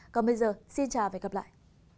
còn bây giờ xin chào và hẹn gặp lại